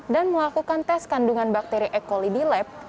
dan melakukan tes kandungan bakteri e coli di lab